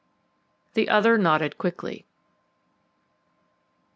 The other nodded quickly.